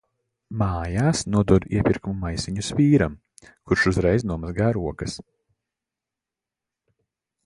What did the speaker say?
Mājās nododu iepirkumu maisiņus vīram, kurš uzreiz nomazgā rokas.